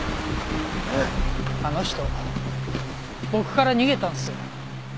あの人僕から逃げたんですよ